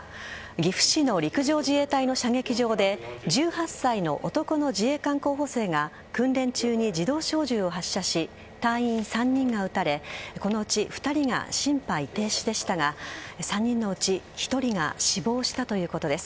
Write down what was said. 岐阜市の陸上自衛隊の射撃場で１８歳の男の自衛官候補生が訓練中に自動小銃を発射し隊員３人が撃たれこのうち２人が心肺停止でしたが３人のうち１人が死亡したということです。